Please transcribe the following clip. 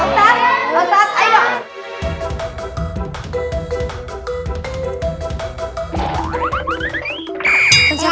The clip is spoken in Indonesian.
ya pak ustadz musa